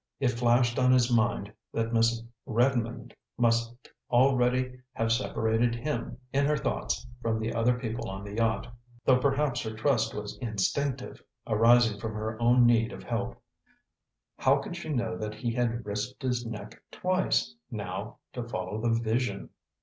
It flashed on his mind that Miss Redmond must already have separated him, in her thoughts, from the other people on the yacht; though perhaps her trust was instinctive, arising from her own need of help. How could she know that he had risked his neck twice, now, to follow the Vision?